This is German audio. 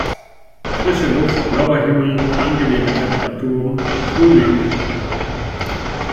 Frische Luft, blauer Himmel, angenehme Temperaturen: Frühling!